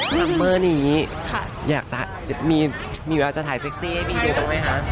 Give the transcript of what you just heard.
มัมเมอร์นี้อยากจะมีเวลาจะถ่ายเซ็กซี่มีอยู่บ้างไหมคะ